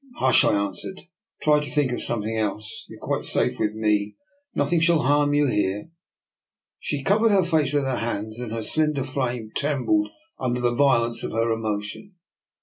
Hush," I answered. " Try to think of something else. You are quite safe with me. Nothing shall harm you here." She covered her face with her hands, and her slender frame trembled under the violence of her emotion.